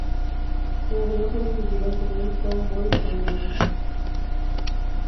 Durante dos años vivirá como un cowboy estadounidense.